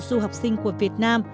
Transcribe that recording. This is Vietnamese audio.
du học sinh của việt nam